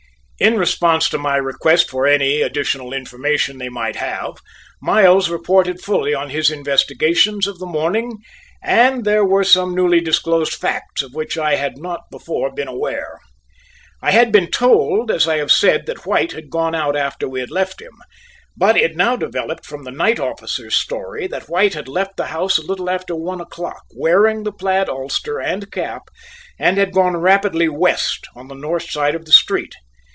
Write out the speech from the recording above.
In response to my request for any additional information they might have, Miles reported fully on his investigations of the morning and there were some newly disclosed facts of which I had not before been aware. I had been told, as I have said, that White had gone out after we had left him, but it now developed from the night officer's story that White had left the house a little after one o'clock wearing the plaid ulster and cap and had gone rapidly west on the north side of the street.